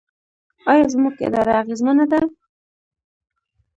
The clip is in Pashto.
آیا زموږ اداره اغیزمنه ده؟